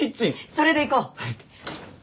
それでいこう！